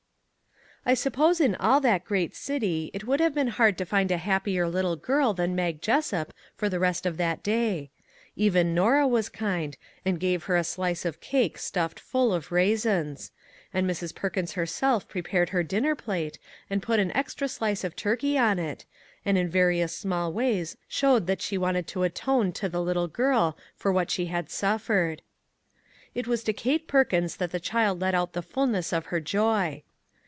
I suppose in all that great city it would have been hard to find a happier little girl than Mag Jessup for the rest of that day. Even Norah was kind, and gave her a slice of cake stuffed full of raisins; and Mrs. Perkins herself pre pared her dinner plate and put an extra slice of turkey on it, and in various small ways showed that she wanted to atone to the little girl for what she had suffered. It was to Kate Per kins that the child let out the fullness of her joy.